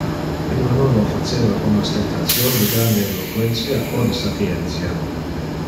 Ille non lo faceva con ostentation de grande eloquentia o de sapientia.